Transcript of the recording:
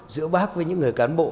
giữa bác với những người cán bộ